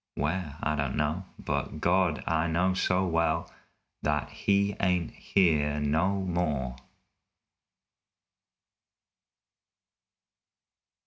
Where? I don't know, but God! I know so well That he ain't here no more!